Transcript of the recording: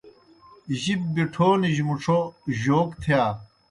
جِب بِٹھونِجیْ مُڇھو جوک تِھیا